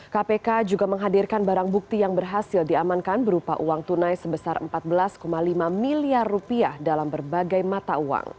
kpk juga menghadirkan barang bukti yang berhasil diamankan berupa uang tunai sebesar empat belas lima miliar rupiah dalam berbagai mata uang